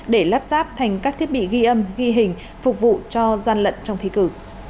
để lắp ráp thành các thiết bị ghi âm ghi hình phục vụ cho gian lận trong thi cử